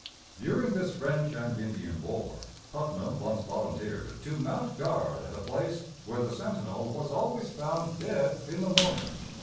During this French and Indian War Putnam once volunteered to mount guard at a place where the sentinel was always found dead in the morning.